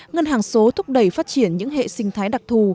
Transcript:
ngân hàng số thúc đẩy phát triển những hệ sinh thái đặc thù